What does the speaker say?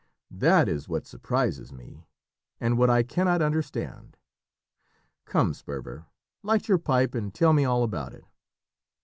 That is what surprises me and what I cannot understand. Come, Sperver, light your pipe, and tell me all about it."